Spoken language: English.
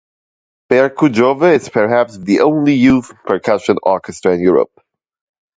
Percujove is perhaps the only youth percussion orchestra in Europe.